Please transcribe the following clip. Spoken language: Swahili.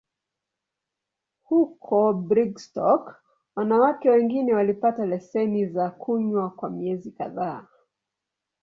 Huko Brigstock, wanawake wengine walipata leseni za kunywa kwa miezi kadhaa.